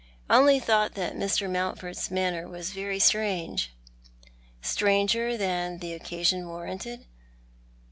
I only thought that Mr. 3Iountford's manner was very strange." " Stranger than the occasion warranted